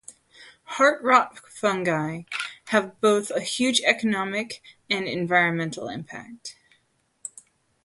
Heart rot fungi have both a huge economic and environmental impact.